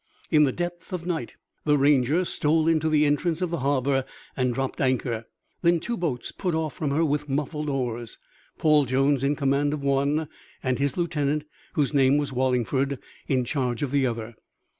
In the depth of night the Ranger stole into the entrance of the harbor and dropped anchor. Then two boats put off from her with muffled oars, Paul Jones in command of one and his lieutenant, whose name was Wallingford, in charge of the other.